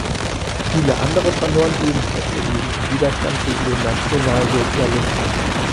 Viele andere verloren ebenfalls ihr Leben im Widerstand gegen den Nationalsozialismus.